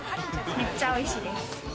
めっちゃ美味しいです。